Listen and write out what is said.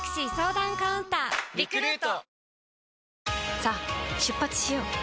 さあ出発しよう。